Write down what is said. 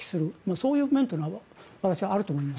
そういうメリットは私はあると思います。